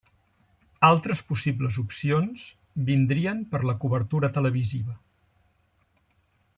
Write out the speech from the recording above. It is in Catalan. Altres possibles opcions vindrien per la cobertura televisiva.